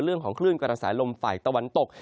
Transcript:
เรื่องของคลื่นกระแสลมฝ่ายตะวันตก